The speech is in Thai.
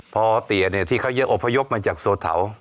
พอเตี๋ยนี่ที่เขาโอบพยพมาจากสวทาว